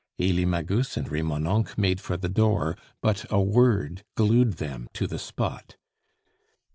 Elie Magus and Remonencq made for the door, but a word glued them to the spot.